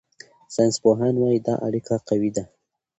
ساینسپوهان وايي دا اړیکه قوي ده.